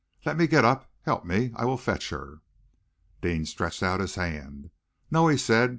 Let me get up. Help me. I will fetch her." Deane stretched out his hand. "No!" he said.